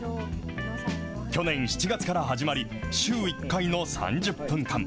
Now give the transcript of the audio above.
去年７月から始まり、週１回の３０分間。